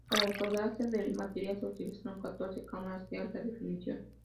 Para el rodaje del material se utilizaron catorce cámaras de alta definición.